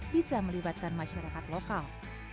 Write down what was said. bisa melibatkan masyarakat lokal